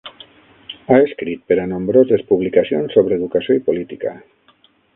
Ha escrit per a nombroses publicacions sobre educació i política.